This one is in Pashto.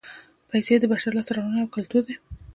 پیسې د بشر لاسته راوړنه او کولتور دی